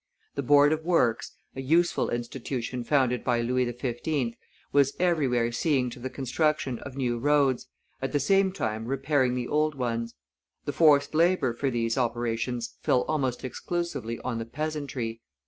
The Board of Works, a useful institution founded by Louis XV., was everywhere seeing to the construction of new roads, at the same time repairing the old ones; the forced labor for these operations fell almost exclusively on the peasantry.